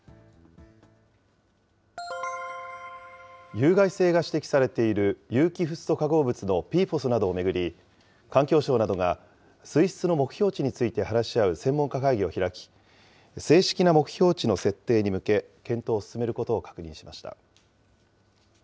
有害性が指摘されている有機フッ素化合物のＰＦＯＳなどを巡り、環境省などが水質の目標値について話し合う専門家会議を開き、正式な目標値の設定に向け、検討を進めることを確認しました。